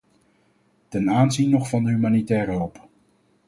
Ten aanzien nog van de humanitaire hulp.